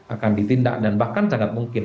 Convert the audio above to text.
akan ditindak dan bahkan sangat mungkin